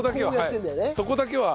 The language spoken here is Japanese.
そこだけは。